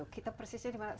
kita persisnya dimana